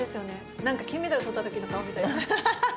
なんか金メダルとったときの顔みたい。